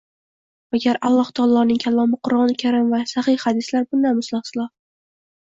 Magar Alloh taoloning Kalomi Qur’oni karim va sahih hadislar bundan mustasno.